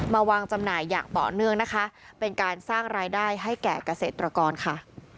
มาวางจำหน่ายอย่างต่อเนื่องนะคะเป็นการสร้างรายได้ให้แก่เกษตรกรค่ะ